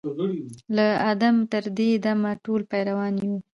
له آدمه تر دې دمه ټول پیران یو